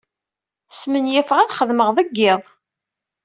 Smenyafeɣ ad xedmeɣ deg iḍ.